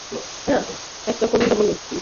একটা কবিতা বলি?